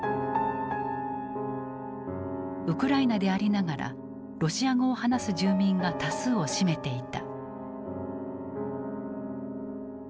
ウクライナでありながらロシア語を話す住民が多数を占めていた。